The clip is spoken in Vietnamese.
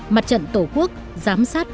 mặt trận tổ quốc giám sát